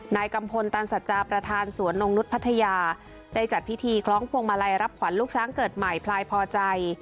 กัมพลตันสัจจาประธานสวนนงนุษย์พัทยาได้จัดพิธีคล้องพวงมาลัยรับขวัญลูกช้างเกิดใหม่พลายพอใจ